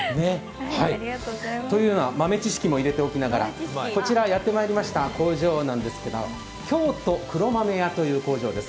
というのは豆知識も入れておきながら、こちらやってきました、工場なんですけど京都黒豆屋という工場です。